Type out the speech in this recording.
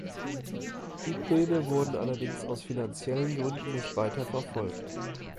Die Pläne wurden allerdings aus finanziellen Gründen nicht weiter verfolgt.